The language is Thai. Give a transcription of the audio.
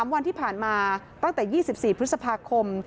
วันที่ผ่านมาตั้งแต่๒๔พฤษภาคม